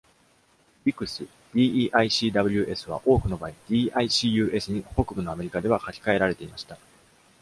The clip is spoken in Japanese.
「ディクス」Deicws は多くの場合 Dicus に北部のアメリカでは書き換えられていました。